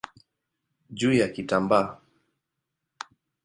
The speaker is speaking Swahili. juu ya kitambaa.